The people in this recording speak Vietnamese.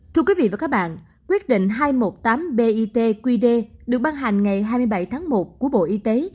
thưa quý vị và các bạn quyết định hai trăm một mươi tám bitqd được ban hành ngày hai mươi bảy tháng một của bộ y tế